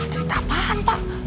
cerita apaan pak